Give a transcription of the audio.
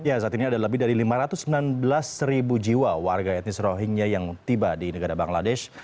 ya saat ini ada lebih dari lima ratus sembilan belas ribu jiwa warga etnis rohingya yang tiba di negara bangladesh